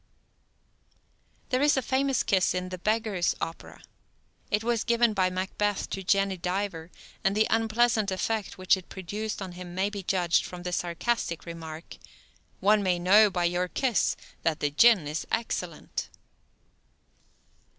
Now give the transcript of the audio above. There is a famous kiss in the "Beggar's Opera." It was given by Macbeth to Jenny Diver, and the unpleasant effect which it produced on him may be judged from the sarcastic remark: "One may know by your kiss that the gin is excellent."